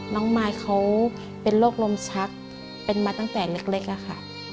น้องไมค์เขาเป็นโรคลมชักเป็นมาตั้งแต่เล็กแล้วค่ะ